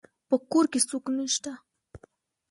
په کور کې څوک نشته